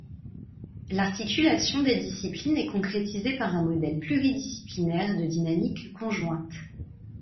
L'articulation des disciplines est concrétisée par un modèle pluridisciplinaire de dynamique conjointe.